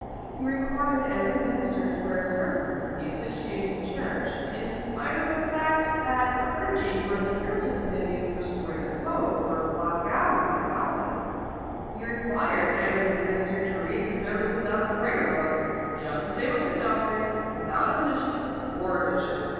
He required every minister to wear a surplice when he offi ciated in the church, in spite of the fact that the clergy who were of the Puritan opinions wished to wear their coats, or black gowns like Calvin. He required every minister to read the services out of the prayer book, just as they were set down there, without omission or addition.